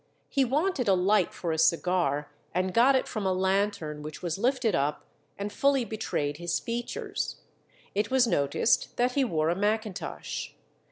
He wanted a light for a cigar, and got it from a lantern which was lifted up and fully betrayed his features. It was noticed that he wore a mackintosh.